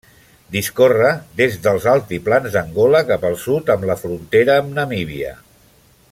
Discorre des dels altiplans d’Angola cap al sud amb la frontera amb Namíbia.